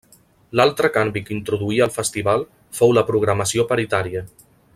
L'altre canvi que introduí el festival fou la programació paritària.